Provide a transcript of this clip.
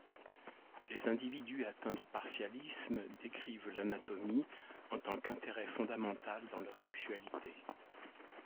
Les individus atteints de partialisme décrivent l'anatomie en tant qu'intérêt fondamental dans leur sexualité.